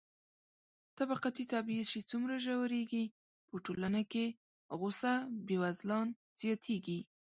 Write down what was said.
طبقاتي تبعيض چې څومره ژورېږي، په ټولنه کې غوسه بېوزلان زياتېږي.